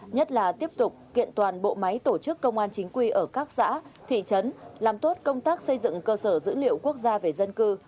nhất là tiếp tục kiện toàn bộ máy tổ chức công an chính quy ở các xã thị trấn làm tốt công tác xây dựng cơ sở dữ liệu quốc gia về dân cư